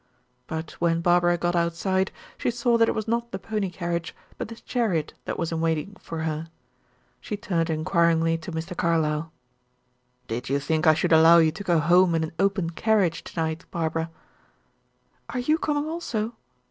But when Barbara got outside, she saw that it was not the pony carriage, but the chariot that was in waiting for her. She turned inquiringly to Mr. Carlyle. "Did you think I should allow you to go home in an open carriage to night, Barbara?" "Are you coming also?"